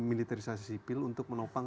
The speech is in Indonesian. militarisasi sipil untuk menopang